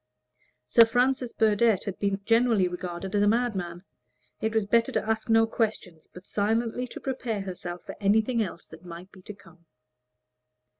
Sir Francis Burdett had been generally regarded as a madman. It was better to ask no questions, but silently to prepare herself for anything else there might be to come.